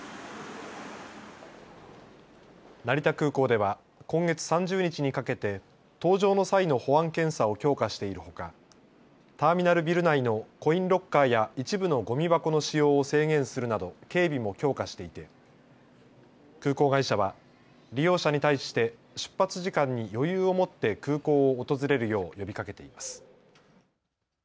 成田空港では今月３０日にかけて搭乗の際の保安検査を強化しているほかターミナルビル内のコインロッカーや一部のごみ箱の使用を制限するなど警備も強化していて空港会社は利用者に対して出発時間に余裕を持って空港を訪れるよう呼びかけています。